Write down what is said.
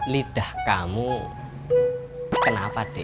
lidah kamu kenapa dik